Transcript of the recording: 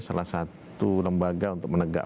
salah satu lembaga untuk menegak